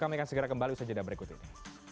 kami akan segera kembali bersajidah berikut ini